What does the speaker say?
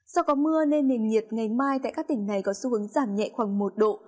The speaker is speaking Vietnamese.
do có mưa nên nền nhiệt ngày mai tại các tỉnh này có xu hướng giảm nhẹ khoảng một độ